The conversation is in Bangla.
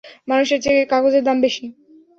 মানুষের চেয়ে কাগজের দাম বেশি।